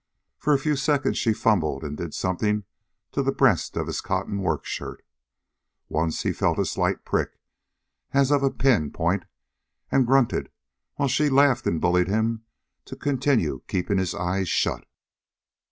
For a few seconds she fumbled and did something to the breast of his cotton work shirt. Once, he felt a slight prick, as of a pin point, and grunted, while she laughed and bullied him to continue keeping his eyes shut.